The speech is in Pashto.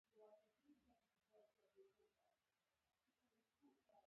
د ځان سره صادق اوسیدل د شخصیت ښه کولو لپاره اړین دي.